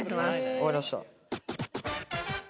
分かりました。